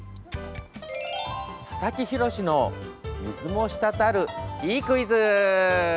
佐々木洋の水もしたたるいいクイズ！